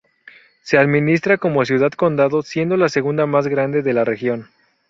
Se administra como ciudad-condado, siendo la segunda más grande de la región.